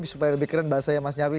supaya lebih keren bahasa ya mas nyarwi